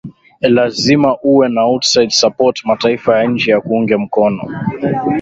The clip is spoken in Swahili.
lazima uwe na outside support mataifa ya nje yakuunge mkono